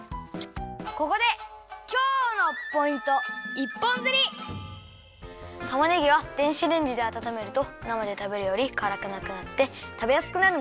ここでたまねぎは電子レンジであたためるとなまでたべるよりからくなくなってたべやすくなるんだよ。